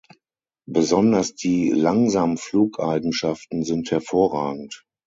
Besonders die Langsamflugeigenschaften sind hervorragend.